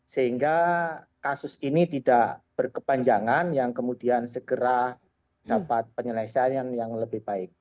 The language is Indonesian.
sehingga kasus ini tidak berkepanjangan yang kemudian segera dapat penyelesaian yang lebih baik